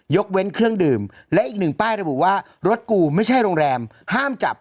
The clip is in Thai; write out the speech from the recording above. เว้นเครื่องดื่มและอีกหนึ่งป้ายระบุว่ารถกูไม่ใช่โรงแรมห้ามจับ